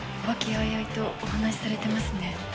和気あいあいとお話しされてますね